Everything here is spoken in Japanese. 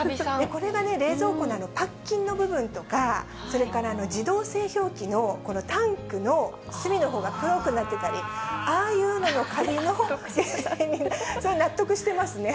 これが冷蔵庫だと、パッキンの部分とか、それから自動製氷機のこのタンクの隅のほうが黒くなってたり、ああいうのがカビの、納得してますね。